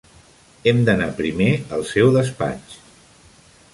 Hem d'anar primer al seu despatx.